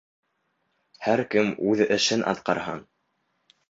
Һәр кем үҙ эшен атҡарһын.